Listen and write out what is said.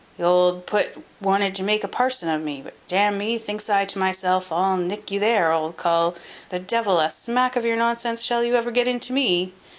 The old put wanted to make a parson of me, but d n me, thinks I to myself, I'll nick you there, old cull; the devil a smack of your nonsense shall you ever get into me.